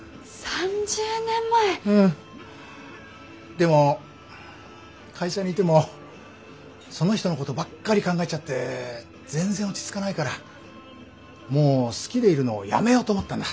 でも会社にいてもその人のことばっかり考えちゃって全然落ち着かないからもう好きでいるのをやめようと思ったんだ。